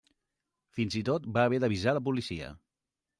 Fins i tot van haver d'avisar la policia.